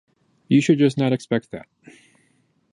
You should just not expect that.